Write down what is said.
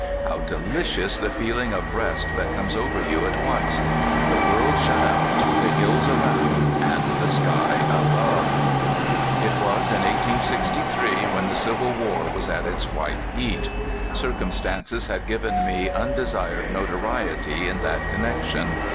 How delicious the feel ing of rest that comes over you at once ! the world shut out, the hills around, and the sky above. It was in 1863, when the civil war was at its white heat. Circumstances had given me unde sired notoriety in that connection.